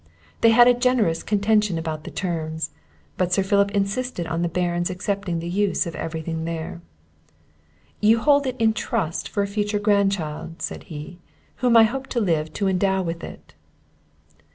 They had a generous contention about the terms; but Sir Philip insisted on the Baron's accepting the use of everything there. "You hold it in trust for a future grandchild," said he, "whom I hope to live to endow with it."